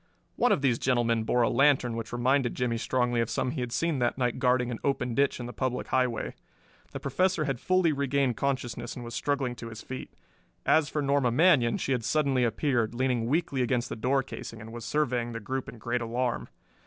One of these gentlemen bore a lantern which reminded Jimmie strongly of some he had seen that night guarding an open ditch in the public highway. The Professor had fully regained consciousness and was struggling to his feet. As for Norma Manion, she had suddenly appeared, leaning weakly against the door casing, and was surveying the group in great alarm.